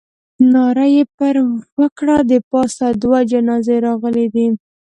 ناره یې پر وکړه. د پاسه دوه جنازې راغلې دي.